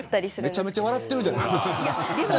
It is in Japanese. めちゃめちゃ笑ってるじゃないですか。